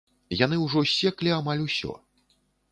Яны ўжо ссеклі амаль усё.